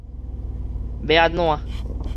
欲按怎